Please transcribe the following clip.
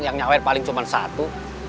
yang nyawer paling cuma satu